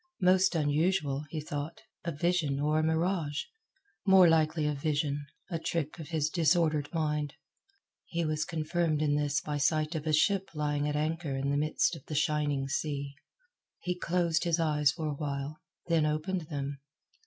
Most unusual, he thought, a vision or a mirage more likely a vision, a trick of his disordered mind. He was confirmed in this by sight of a ship lying at anchor in the midst of the shining sea. He closed his eyes for a while, then opened them.